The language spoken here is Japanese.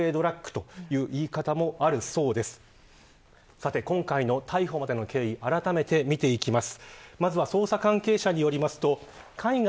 さて今回の逮捕までの経緯あらためて見ていきます。